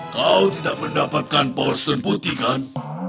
kau tidak mendapatkan power stone putih kan